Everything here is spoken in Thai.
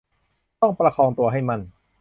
ต้องประคองตัวให้มั่น